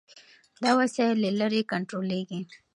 دا وسایل له لرې کنټرولېږي.